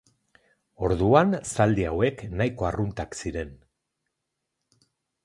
Orduan zaldi hauek nahiko arruntak ziren.